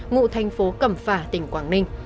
ngụ thành phố cẩm phả tỉnh quảng ninh